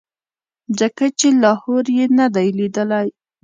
ځکه چې لاهور یې نه دی لیدلی.